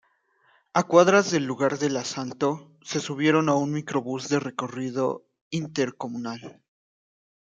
A cuadras del lugar del asalto, se subieron a un microbús de recorrido intercomunal.